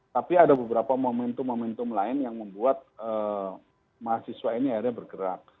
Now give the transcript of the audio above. tapi ada beberapa momentum momentum lain yang membuat mahasiswa ini akhirnya bergerak